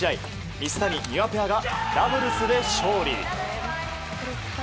水谷、丹羽ペアがダブルスで勝利。